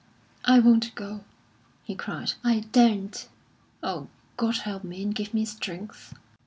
"I won't go," he cried; "I daren't! Oh, God help me, and give me strength!"